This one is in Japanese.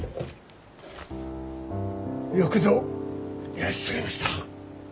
よくぞいらっしゃいました。